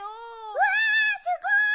うわすごい！